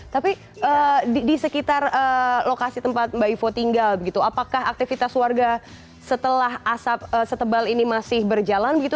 tapi di sekitar lokasi tempat mbak ivo tinggal apakah aktivitas warga setelah asap setebal ini masih berjalan begitu